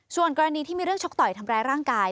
ส่วนกรณีที่มีเรื่องชกต่อยทำร้ายร่างกาย